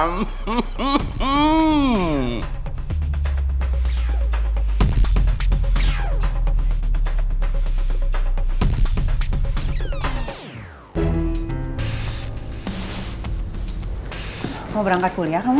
mau berangkat kuliah kamu